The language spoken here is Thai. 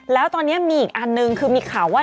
แล้วตอนนี้มีอีกอันนึงคือมีข่าวว่า